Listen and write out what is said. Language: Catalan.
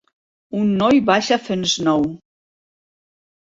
Un noi baixa fent snow.